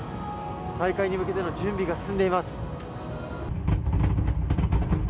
大会に向けての準備が進んでいます。